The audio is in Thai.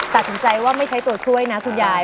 ตัดสินใจว่าไม่ใช้ตัวช่วยนะคุณยาย